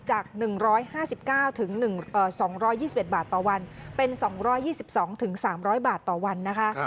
จาก๑๕๙๒๒๑บาทต่อวันเป็น๒๒๒๓๐๐บาทต่อวันนะคะ